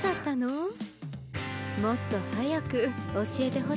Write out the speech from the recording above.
もっと早く教えてほしかったわ。